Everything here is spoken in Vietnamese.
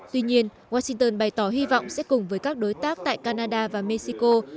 tuy nhiên washington bày tỏ hy vọng sẽ cùng với các đối tác tại canada và mexico